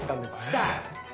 来た。